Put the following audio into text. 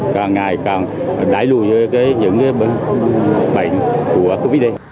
càng ngày càng đẩy lùi những bệnh của covid một mươi chín